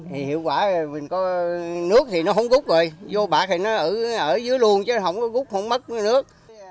hiệu quả là nước thì nó không gút rồi vô bạc thì nó ở dưới luôn chứ không có gút không mất nước